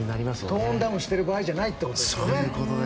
トーンダウンしてる場合じゃないということですね。